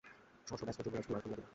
শশব্যস্ত যুবরাজ দুয়ার খুলিয়া দিলেন।